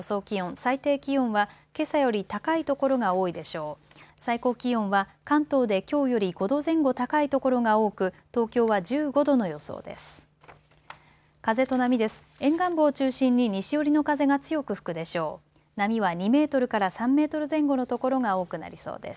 最高気温は関東で、きょうより５度前後高い所が多く東京は１５度の予想です。